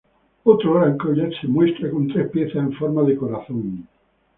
Otro gran collar se muestra con tres piezas en forma de corazón.